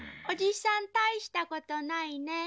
「おじさん大したことないね」